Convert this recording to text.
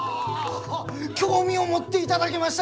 興味を持っていだだげましたが！